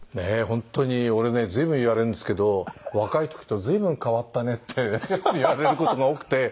本当に俺ね随分言われるんですけど若い時と随分変わったねって言われる事が多くて。